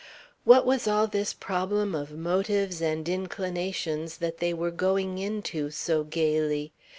What was all this problem of motives and inclinations that they were "going into" so gaily?